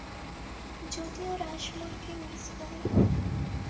যদিও রাশমোরকে মিস করি।